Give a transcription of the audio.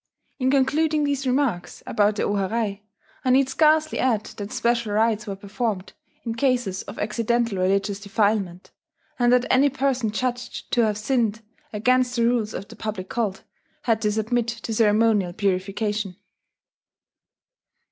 In concluding these remarks about the o harai, I need scarcely add that special rites were performed in cases of accidental religious defilement, and that any person judged to have sinned against the rules of the public cult had to submit to ceremonial purification.